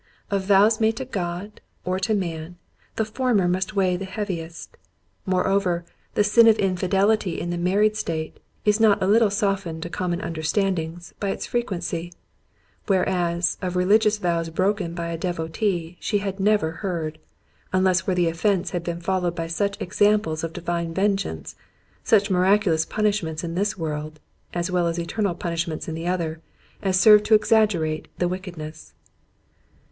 Of vows made to God or to man, the former must weigh the heaviest. Moreover, the sin of infidelity in the married state, is not a little softened to common understandings, by its frequency; whereas, of religious vows broken by a devotee she had never heard; unless where the offence had been followed by such examples of divine vengeance, such miraculous punishments in this world, (as well as eternal punishment in the other) as served to exaggerate the wickedness.